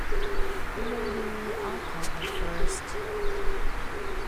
Maybe I'll call her first.